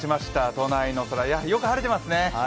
都内の空、よく晴れてますね。